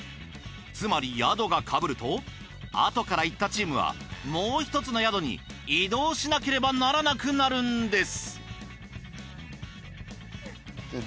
つまり宿がかぶると後から行ったチームはもう一つの宿に移動しなければならなくなるんです。